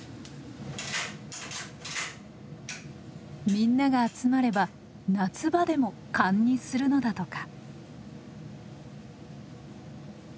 みんなが集まれば夏場でも燗にするのだとか。